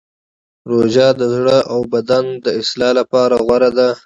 روژه د زړه او بدن د اصلاح لپاره غوره ده.